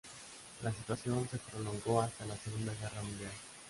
La situación se prolongó hasta la segunda guerra mundial.